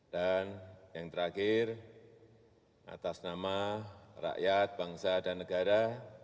dan yang terakhir atas nama rakyat bangsa dan negara